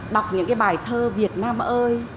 đọc những cái bài thơ việt nam ơi